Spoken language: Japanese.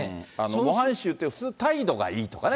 模範囚って、普通態度がいいとかね。